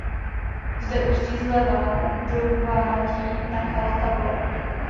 Zde ústí zleva do vádí Nachal Tavor.